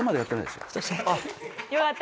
よかった。